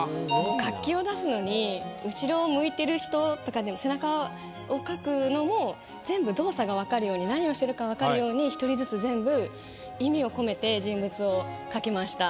活気を出すのに後ろを向いてる人とか背中を描くのも全部動作が分かるように何をしてるか分かるように１人ずつ全部意味を込めて人物を描きました。